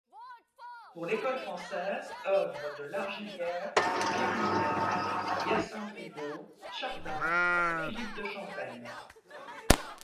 Pour l’École française, œuvres de Largillière, Pierre Mignard, Hyacinthe Rigaud, Chardin, Philippe de Champaigne.